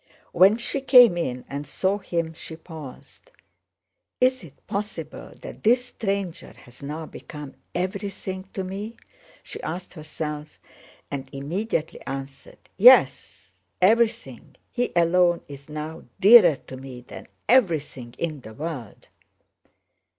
When she came in and saw him she paused. "Is it possible that this stranger has now become everything to me?" she asked herself, and immediately answered, "Yes, everything! He alone is now dearer to me than everything in the world."